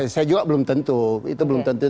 saya juga belum tentu itu belum tentu